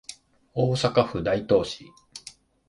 大阪府大東市